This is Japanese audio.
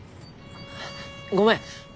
ごめん。